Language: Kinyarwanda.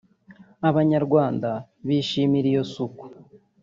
Abanyarwanda bishimira iyo suku